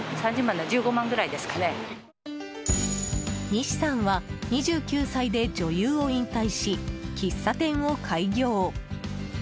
西さんは２９歳で女優を引退し喫茶店を開業。